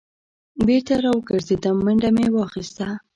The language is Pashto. بېرته را وګرځېدم منډه مې واخیسته.